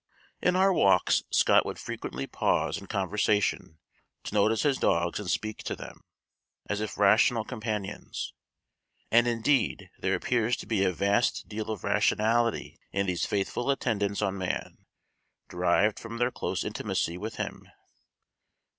In our walks, Scott would frequently pause in conversation to notice his dogs and speak to them, as if rational companions; and indeed there appears to be a vast deal of rationality in these faithful attendants on man, derived from their close intimacy with him.